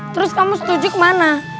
terus kamu setuju ke mana